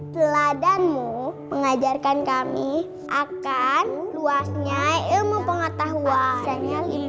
teladanmu mengajarkan kami akan luasnya ilmu pengetahuan